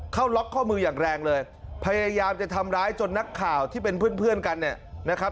เข้าล็อกข้อมืออย่างแรงเลยพยายามจะทำร้ายจนนักข่าวที่เป็นเพื่อนเพื่อนกันเนี่ยนะครับ